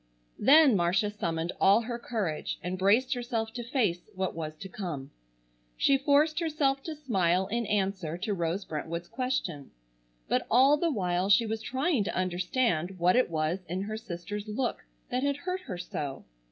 Then Marcia summoned all her courage and braced herself to face what was to come. She forced herself to smile in answer to Rose Brentwood's question. But all the while she was trying to understand what it was in her sister's look that had hurt her so.